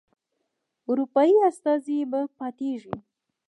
اروپایي استازی به پاتیږي.